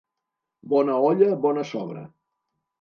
Bona olla, bona sobra.